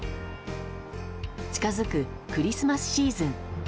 近づくクリスマスシーズン。